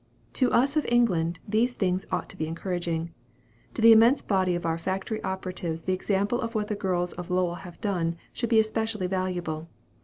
To us of England these things ought to be encouraging. To the immense body of our factory operatives the example of what the girls of Lowell have done should be especially valuable.